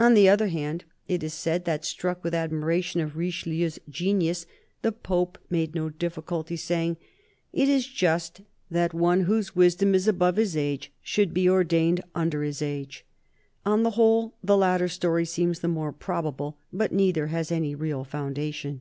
On the other hand, it is said that, struck with admira tion of Richelieu's genius, the Pope made no difficulty, saying, " It is just that one whose wisdom is above his age should be ordained under age." On the whole, the latter story seems the more probable ; but neither has any real foundation.